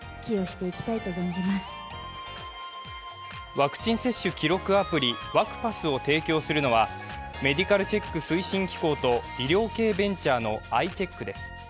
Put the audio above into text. ワクチン接種記録アプリ、ワクパスを提供するのはメディカルチェック推進機構と医療系ベンチャーのＩＣｈｅｃｋです。